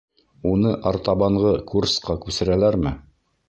Уны артабанғы курсҡа күсерәләрме?